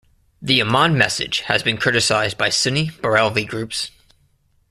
The Amman Message has been criticized by Sunni Barelvi groups.